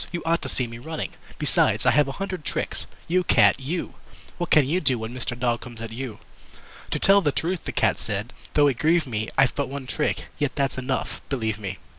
"You ought to see me running. Besides, I have a hundred tricks. You Cat, you! What can you do when Mr. Dog comes at you?" "To tell the truth," the Cat said, "though it grieve me I've but one trick. Yet that's enough believe me!"